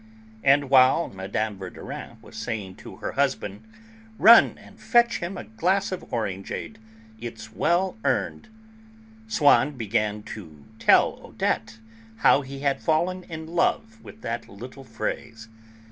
And while Mme. Verdurin was saying to her husband, "Run and fetch him a glass of orangeade; it's well earned!" Swann began to tell Odette how he had fallen in love with that little phrase.